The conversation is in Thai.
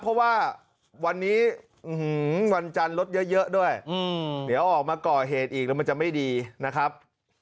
เพราะว่าวันนี้วันจันทร์รถเยอะด้วยเดี๋ยวออกมาก่อเหตุอีกแล้วมันจะไม่ดีนะครับ